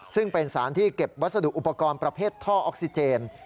ซึ่งเป็นสารที่เก็บวัสดุอุปกรณ์ประเภทท่อออกซิเจน